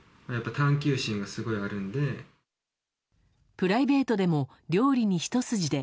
プライベートでも料理にひと筋で